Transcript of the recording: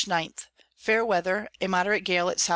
_ Fair Weather, a moderate Gale at S E.